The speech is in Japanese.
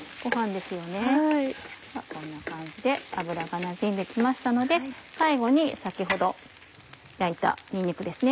ではこんな感じで油がなじんで来ましたので最後に先ほど焼いたにんにくですね。